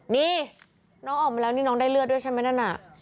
นี่น้องออกมาแล้วนี่น้องได้เลือดด้วยใช่ไหมนั่นน่ะ